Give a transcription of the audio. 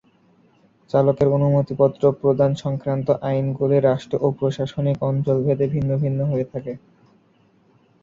চালকের অনুমতিপত্র প্রদান সংক্রান্ত আইনগুলি রাষ্ট্র ও প্রশাসনিক অঞ্চলভেদে ভিন্ন ভিন্ন হয়ে থাকে।